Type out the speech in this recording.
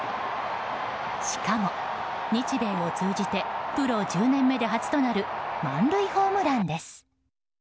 しかも、日米を通じてプロ１０年目で初となる満塁ホームランです。